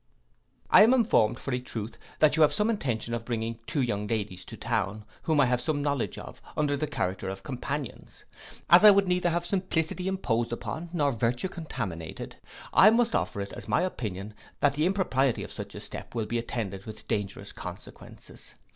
I am informed for a truth, that you have some intention of bringing two young ladies to town, whom I have some knowledge of, under the character of companions. As I would neither have simplicity imposed upon, nor virtue contaminated, I must offer it as my opinion, that the impropriety of such a step will be attended with dangerous consequences.